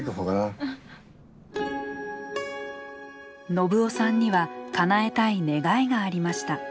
信男さんにはかなえたい願いがありました。